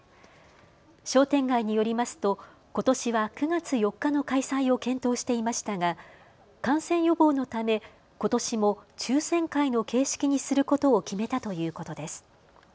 商店街によりますと、ことしは９月４日の開催を検討していましたが、感染予防のためことしも抽せん会の形式にすることを決めたということです。